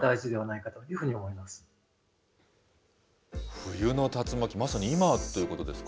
冬の竜巻、まさに今ということですか。